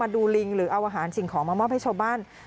ดูลิงหรือเอาอาหารสิ่งของมามอบให้ชาวบ้าน